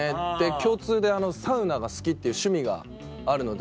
共通でサウナが好きっていう趣味があるのでお互いに。